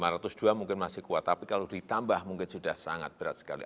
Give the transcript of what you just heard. rp lima ratus dua mungkin masih kuat tapi kalau ditambah mungkin sudah sangat berat sekali